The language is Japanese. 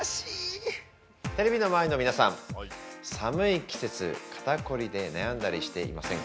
◆テレビの前の皆さん、寒い季節、肩凝りで悩んだりしていませんか。